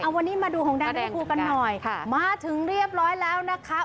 เอาวันนี้มาดูหงดแดงกันกันหน่อยมาถึงเรียบร้อยแล้วนะคะ